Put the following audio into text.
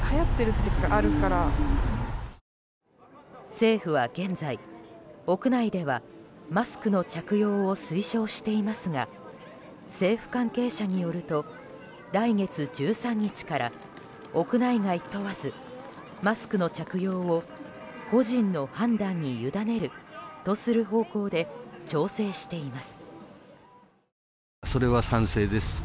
政府は現在、屋内ではマスクの着用を推奨していますが政府関係者によると来月１３日から屋内外問わずマスクの着用を個人の判断に委ねるとする方向で調整しています。